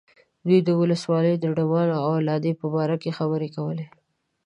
دوی د ولسوالۍ د ډمانو د اولادې په باره کې خبرې کولې.